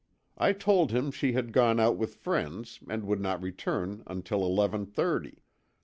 I told him she had gone out with friends and would not return until eleven thirty.